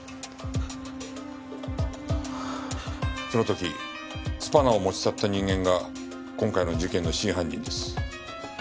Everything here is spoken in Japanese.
その時スパナを持ち去った人間が今回の事件の真犯人です。